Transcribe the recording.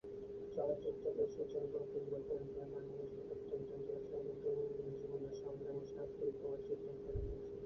চলচ্চিত্রে বৈশ্বিক জলবায়ু পরিবর্তনের ফলে বাংলাদেশের প্রত্যন্ত অঞ্চলের জেলেদের দৈনন্দিন জীবন সংগ্রাম ও সংস্কৃতিক প্রভাব চিত্রণ করা হয়েছে।